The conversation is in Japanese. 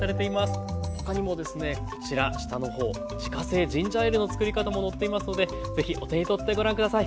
他にもですねこちら下の方自家製ジンジャーエールの作り方も載っていますので是非お手に取ってご覧下さい。